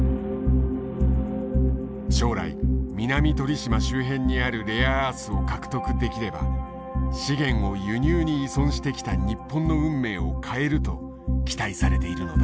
将来南鳥島周辺にあるレアアースを獲得できれば資源を輸入に依存してきた日本の運命を変えると期待されているのだ。